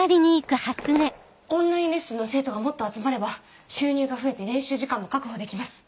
オンラインレッスンの生徒がもっと集まれば収入が増えて練習時間も確保できます。